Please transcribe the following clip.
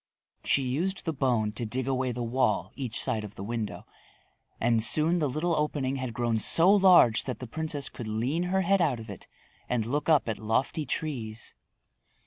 She used the bone to dig away the wall each side of the window and soon the little opening had grown so large that the princess could lean her head out of it and look up at lofty trees.